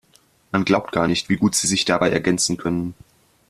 Man glaubt gar nicht, wie gut sie sich dabei ergänzen können.